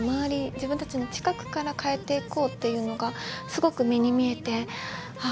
自分たちの近くから変えていこうっていうのがすごく目に見えてああ